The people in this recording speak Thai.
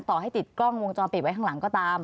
ต่อให้ติดกล้องวงจรปิดไว้ข้างหลังก็ตาม